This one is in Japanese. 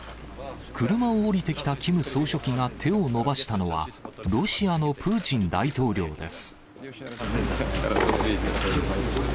車を降りてきたキム総書記が手を伸ばしたのは、ロシアのプーチン大統領です。